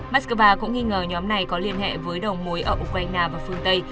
moskova cũng nghi ngờ nhóm này có liên hệ với đồng mối ở ukraine và phương tây